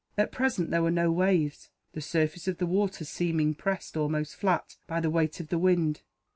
At present there were no waves, the surface of the water seeming pressed almost flat by the weight of the wind.